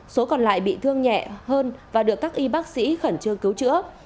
số còn lại bị thương nhẹ hơn và được các y bác sĩ khẩn trương cứu chữa